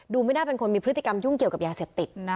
ไม่น่าเป็นคนมีพฤติกรรมยุ่งเกี่ยวกับยาเสพติดนะ